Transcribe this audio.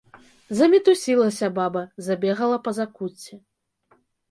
Замітусілася баба, забегала па закуцці.